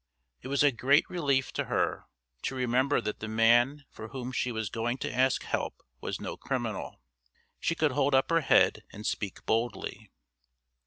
It was a great relief to her to remember that the man for whom she was going to ask help was no criminal. She could hold up her head and speak boldly.